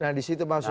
nah di situ masuk tuh